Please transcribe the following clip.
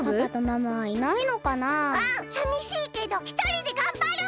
さみしいけどひとりでがんばる！